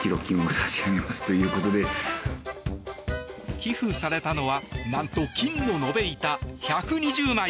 寄付されたのは何と金の延べ板１２０枚。